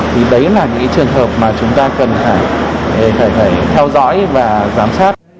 thì đấy là những trường hợp mà chúng ta cần phải theo dõi và giám sát